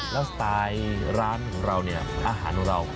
แล้วสไตล์ร้านของเราเนี่ยอาหารของเรา